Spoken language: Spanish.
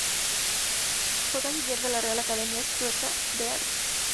Fue canciller de la Real Academia Sueca de Arte.